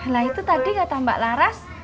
nah itu tadi kata mbak laras